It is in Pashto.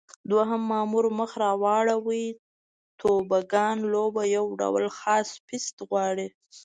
دوهم مامور مخ را واړاوه: توبوګان لوبه یو ډول خاص پېست غواړي.